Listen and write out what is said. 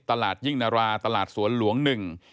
ตลาดยิ่งนราตลาดสวนหลวง๑